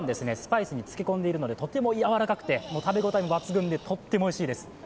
一晩スパイスにつけこんでいるのでとてもやわらかくて食べ応えも抜群でとってもおいしいです。